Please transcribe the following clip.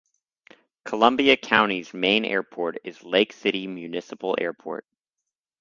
Columbia County's main airport is Lake City Municipal Airport.